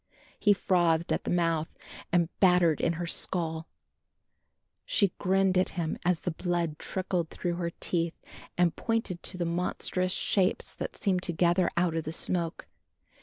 He frothed at the mouth and battered in her skull. She grinned at him as the blood trickled through her teeth and pointed to the monstrous shapes that seemed to gather out of the smoke.